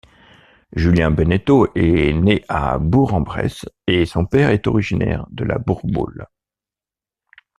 Julien Benneteau est né à Bourg-en-Bresse et son père est originaire de La Bourboule.